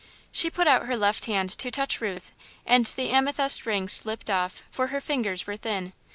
She put out her left hand to touch Ruth, and the amethyst ring slipped off, for her fingers were thin.